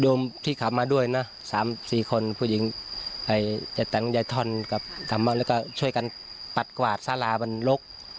ดูที่ขาบมาด้วยนะ๓๔คนผู้หญิงแจ๊ะตังแยธรรมแล้วก็ช่วยกันปัดกวาดซาราบนรก